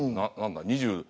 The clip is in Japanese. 何だ？